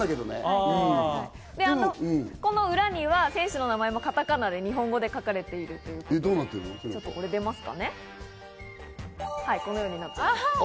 この裏には選手の名前もカタカナで、日本語で書かれているということです。